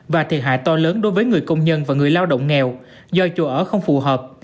và thiệt hại to lớn đối với người công nhân và người lao động nghèo do chùa ở không phù hợp